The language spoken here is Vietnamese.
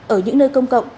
ở những nơi công cộng